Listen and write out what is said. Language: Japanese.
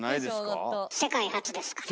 世界初ですからね。